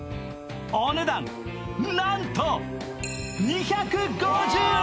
お値段なんと２５０円！